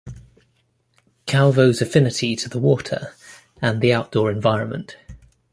Calvo's affinity to the water and the outdoor environment.